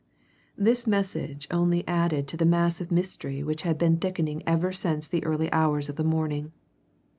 This message only added to the mass of mystery which had been thickening ever since the early hours of the morning.